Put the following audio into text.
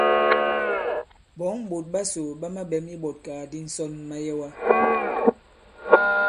Ɓɔ̌ŋ ɓòt ɓasò ɓa maɓɛ̀m iɓɔ̀tkàgàdi ǹsɔn mayɛwa.